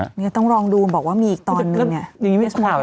อย่างเงี้ยต้องลองดูบอกว่ามีอีกตอนหนึ่งน่ะดีหรือพี่สมหาภัย